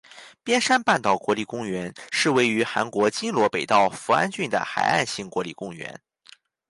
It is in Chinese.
边山半岛国立公园是位于韩国全罗北道扶安郡的海岸型国立公园。